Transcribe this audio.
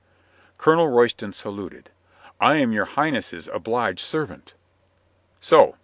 Colonel Royston saluted. "I am your Highness' obliged servant." "So.